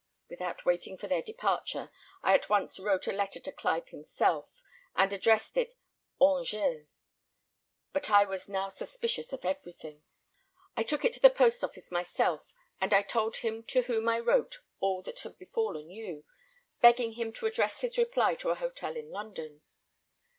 Without waiting for their departure, I at once wrote a letter to Clive himself, and addressed it 'Angers;' but I was now suspicious of everything. I took it to the post myself, and I told him to whom I wrote all that had befallen you, begging him to address his reply to a hotel in London.